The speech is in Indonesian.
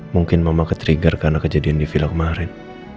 mungkin mama ketrigger karena kejadian di villa kemarin